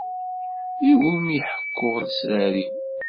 Iwumi i ḥekkuɣ lesrar-iw!